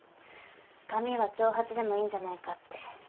髪は長髪でもいいんじゃないかって。